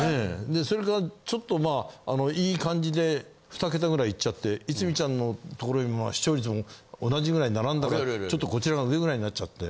でそれからちょっとまあいい感じで２桁ぐらいいっちゃって逸見ちゃんのところよりも視聴率も同じぐらい並んだかちょっとこちらが上ぐらいになっちゃって。